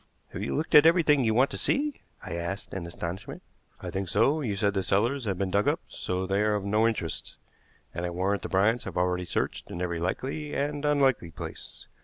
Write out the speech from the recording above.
"Have you looked at everything you want to see?" I asked in astonishment. "I think so. You said the cellars had been dug up, so they are of no interest, and I warrant the Bryants have already searched in every likely and unlikely place.